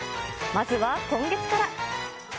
まずは今月から。